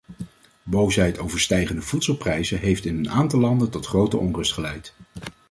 Boosheid over stijgende voedselprijzen heeft in een aantal landen tot grote onrust geleid.